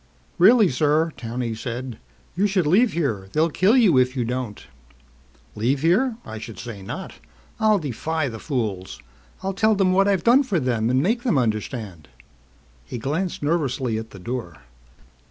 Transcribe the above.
"Really, sir," Towney said, "you should leave here. They'll kill you if you don't!" "Leave here? I should say not. I'll defy the fools. I'll tell them what I've done for them and make them understand." He glanced nervously at the door.